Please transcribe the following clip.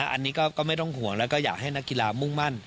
อันนี้ก็ไม่ต้องห่วงแล้วก็อยากให้นักกีฬามุ่งมั่น